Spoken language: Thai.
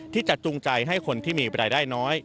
ที่จัดจุงใจให้คนที่มีปรายได้น้อย